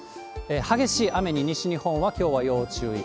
激しい雨に、西日本はきょうは要注意。